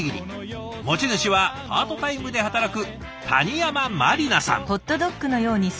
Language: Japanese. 持ち主はパートタイムで働く谷山茉里奈さん。